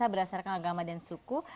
dan mereka bisa berdasarkan agama dan suku